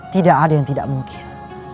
tidak ada yang tidak mungkin